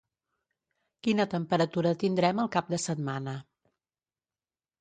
quina temperatura tindrem el cap de setmana